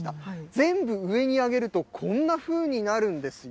全部上に上げると、こんなふうになるんですよ。